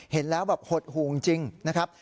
เห็นแล้วแบบหดหู่จริงนะครับ